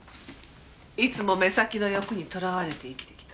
いつも目先の欲にとらわれて生きてきた。